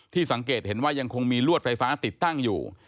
สังเกตเห็นว่ายังคงมีลวดไฟฟ้าติดตั้งอยู่